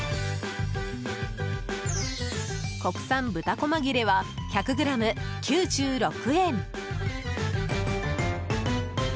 国産豚小間切れは１００ｇ９６円。